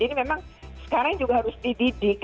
ini memang sekarang juga harus dididik